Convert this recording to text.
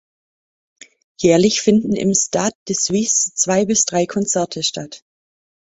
Jährlich finden im Stade de Suisse zwei bis drei Konzerte statt.